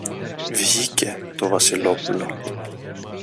Βγήκε το Βασιλόπουλο.